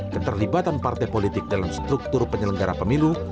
keterlibatan partai politik dalam struktur penyelenggara pemilu